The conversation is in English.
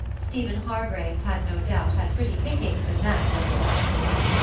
Steeve Hargraves had no doubt had pretty pickings in that liberal household.